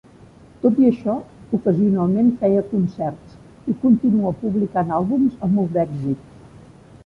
Tot i això, ocasionalment feia concerts i continua publicant àlbums amb molt d'èxit.